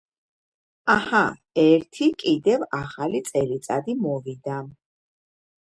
აჰა ერთი კიდევ ახალი წელიწადი მოვიდა.